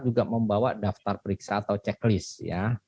juga membawa daftar periksa atau checklist ya